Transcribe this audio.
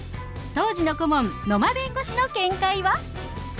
当時の顧問野間弁護士の見解は？